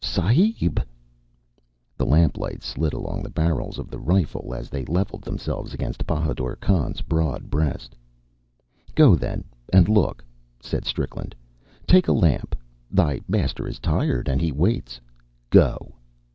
"Sahib!" The lamp light slid along the barrels of the rifle as they leveled themselves against Bahadur Khan's broad breast. "Go, then, and look!" said Strickland. "Take a lamp. Thy master is tired, and he waits. Go!"